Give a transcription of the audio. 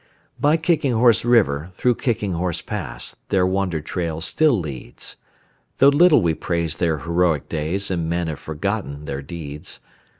By Kicking Horse River, through Kicking Horse Pass, Their wonder trail still leads, Though little we praise their heroic days And men have forgotten their deeds.